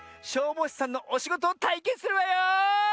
消防士さんのおしごとをたいけんするわよ！